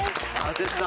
焦った。